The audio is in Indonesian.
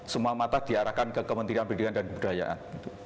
semua mata diarahkan ke kementerian pendidikan dan kebudayaan